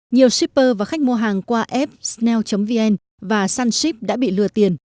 nhiều shipper và khách mua hàng qua app sn vn và sunship đã bị lừa tiền